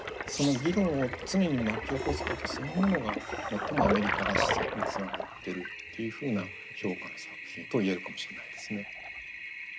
その議論を常に巻き起こすことそのものが最もアメリカらしさにつながってるっていうふうな評価の作品と言えるかもしれないですね。